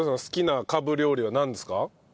好きなカブ料理はなんですか？